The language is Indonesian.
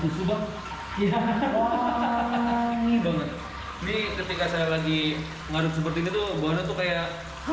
ini ketika saya lagi mengaduk seperti ini tuh